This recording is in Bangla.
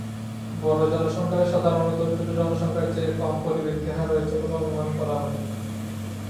বড় জনসংখ্যার সাধারণত ছোট জনসংখ্যার চেয়ে কম পরিব্যক্তি হার রয়েছে বলে অনুমান করা হয়।